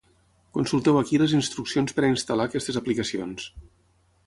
Consulteu ací les instruccions per a instal·lar aquestes aplicacions.